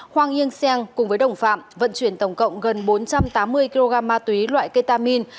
hoàng yên xeng cùng với đồng phạm vận chuyển tổng cộng gần bốn trăm tám mươi kg ma túy loại ketamin